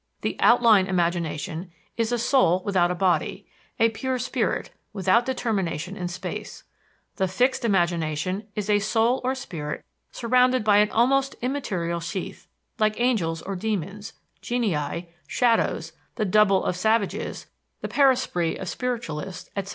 The "outline" imagination is a soul without a body, a pure spirit, without determination in space. The "fixed" imagination is a soul or spirit surrounded by an almost immaterial sheath, like angels or demons, genii, shadows, the "double" of savages, the peresprit of spiritualists, etc.